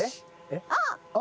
あっ！